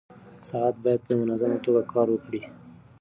ساعت باید په منظمه توګه کار وکړي.